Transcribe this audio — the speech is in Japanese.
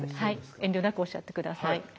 遠慮なくおっしゃって下さい。